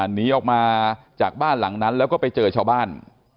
หนีออกมาจากบ้านหลังนั้นแล้วก็ไปเจอชาวบ้าน